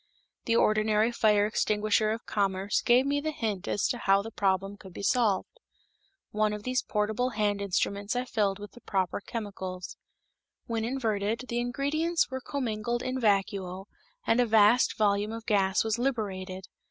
The ordinary fire extinguisher of commerce gave me the hint as to how the problem could be solved. One of these portable hand instruments I filled with the proper chemicals. When inverted, the ingredients were commingled in vacuo and a vast volume of gas was liberated.